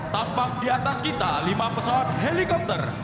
tampak di atas kita lima pesawat helikopter